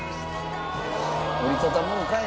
折りたたむんかい！